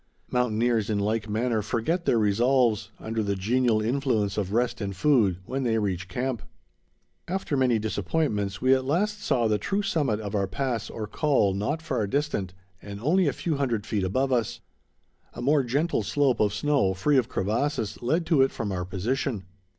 Mountaineers in like manner forget their resolves, under the genial influence of rest and food, when they reach camp. After many disappointments, we at last saw the true summit of our pass or col not far distant, and only a few hundred feet above us. A more gentle slope of snow, free of crevasses, led to it from our position.